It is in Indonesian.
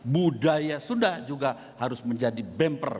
budaya sunda juga harus menjadi bemper